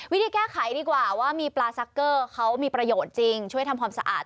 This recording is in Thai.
วิธีแก้ไขดีกว่าว่ามีปลาซักเกอร์เขามีประโยชน์จริงช่วยทำความสะอาด